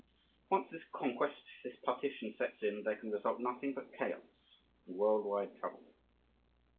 Once this conquest, this "partition," sets in, there can result nothing but chaos and world wide trouble.